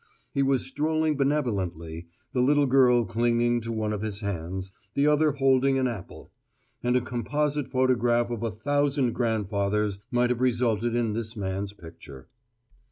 He was strolling benevolently, the little girl clinging to one of his hands, the other holding an apple; and a composite photograph of a thousand grandfathers might have resulted in this man's picture.